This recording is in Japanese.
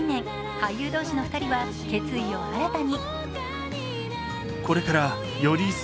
俳優同士の２人は決意を新たに。